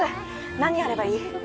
何やればいい？